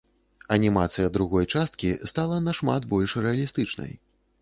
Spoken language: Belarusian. Анімацыя другой часткі стала нашмат больш рэалістычнай.